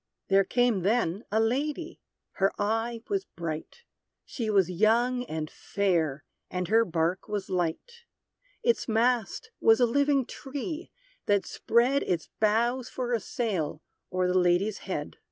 There came, then, a lady; her eye was bright She was young and fair, and her bark was light; Its mast was a living tree, that spread Its boughs for a sail, o'er the lady's head.